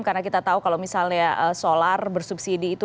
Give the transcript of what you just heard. karena kita tahu kalau misalnya solar bersubsidi itu